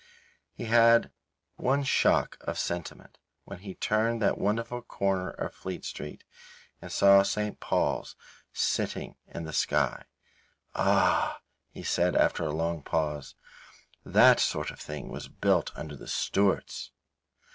He had one shock of sentiment, when he turned that wonderful corner of Fleet Street and saw St. Paul's sitting in the sky. "Ah," he said, after a long pause, "that sort of thing was built under the Stuarts!"